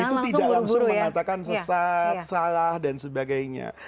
itu tidak langsung mengatakan sesat salah dan sebagainya